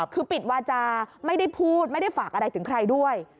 คือปิดวาจาไม่ได้พูดไม่ได้ฝากอะไรถึงใครด้วย